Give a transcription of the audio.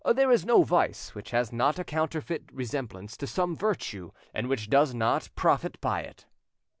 There is no vice which has not a counterfeit resemblance to some virtue, and which does not profit by it."